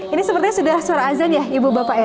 ini sepertinya sudah suara azan ya ibu bapak ya